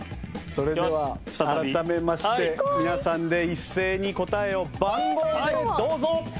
それでは改めまして皆さんで一斉に答えを番号でどうぞ！